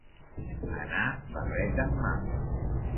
Anar barret en mà.